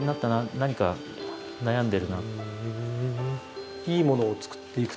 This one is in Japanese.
「何か悩んでるな」。